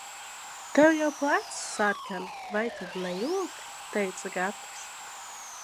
"Tev jau pleci sarkani, vai tad nejūti?" teica Gatis.